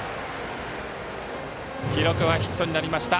記録はヒットになりました。